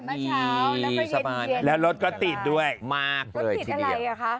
บิดอะไรอะคะ